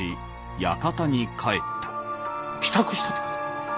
帰宅したってこと？